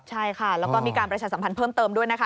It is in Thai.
ใช่ค่ะแล้วก็มีการประชาสัมพันธ์เพิ่มเติมด้วยนะคะ